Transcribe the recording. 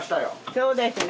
そうですね。